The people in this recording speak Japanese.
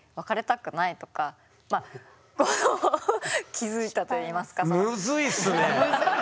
気付いたといいますか。